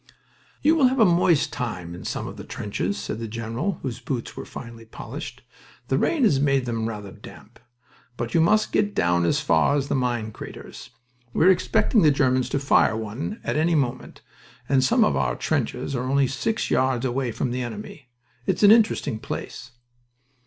"You will have a moist time in some of the trenches," said the general (whose boots were finely polished). "The rain has made them rather damp... But you must get down as far as the mine craters. We're expecting the Germans to fire one at any moment, and some of our trenches are only six yards away from the enemy. It's an interesting place."